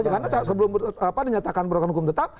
karena sebelum dinyatakan peraturan hukum tetap